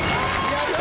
やった！